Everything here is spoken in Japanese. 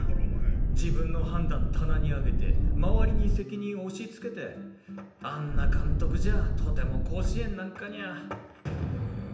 自分の判断棚に上げて周りに責任押しつけてあんな監督じゃとても甲子園なんかにゃ。